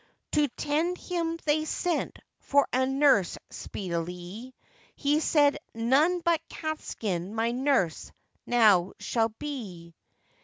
To tend him they send for a nurse speedily, He said, 'None but Catskin my nurse now shall be.